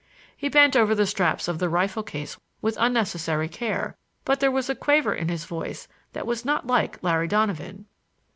He bent over the straps of the rifle case with unnecessary care, but there was a quaver in his voice that was not like Larry Donovan.